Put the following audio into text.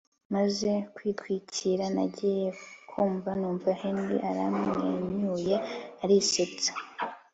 maze kwitwikira nagiye kumva numva Henry aramwenyuye arisetsa